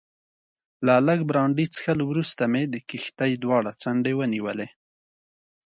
له لږ برانډي څښلو وروسته مې د کښتۍ دواړې څنډې ونیولې.